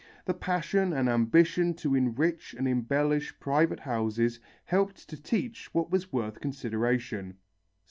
The passion and ambition to enrich and embellish private houses helped to teach what was worth consideration.